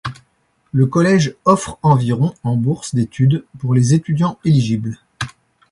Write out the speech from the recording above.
Le collège offre environ en bourses d'étude pour les étudiants éligibles.